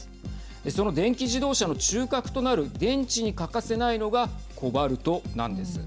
その電気自動車の中核となる電池に欠かせないのがコバルトなんです。